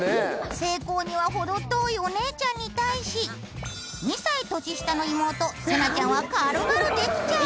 成功には程遠いお姉ちゃんに対し２歳年下の妹せなちゃんは軽々できちゃう。